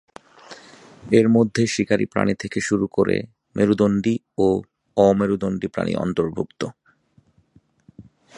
এরমধ্যে শিকারি প্রাণি থেকে শুরু করে মেরুদণ্ডী ও অমেরুদণ্ডী প্রাণী অন্তর্ভুক্ত।